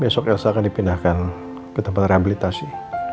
besok elsa akan dipindahkan ke tempat rehabilitasi